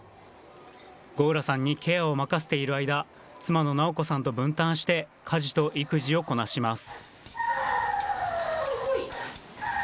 吾浦さんケアを任せている間妻の直子さんと分担して家事と育児をこなします。